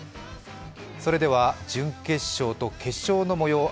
それでは準決勝と決勝の模様を